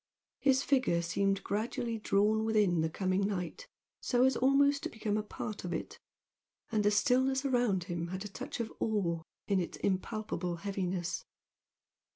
His figure seemed gradually drawn within the coming night so as almost to become part of it, and the stillness around him had a touch of awe in its impalpable heaviness.